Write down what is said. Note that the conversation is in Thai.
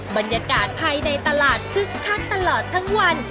บรรยากาศภายในตลาดคึกคักตลอดทั้งวัน